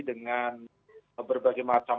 dengan berbagai macam